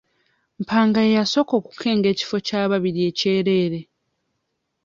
Mpanga ye yasooka okukenga ekifo ekyababiri ekyereere.